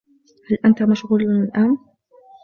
هل أنت مشغول الآن ؟